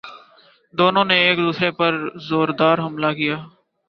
دونوں نے ایک دوسرے پرزوردار حملہ کیا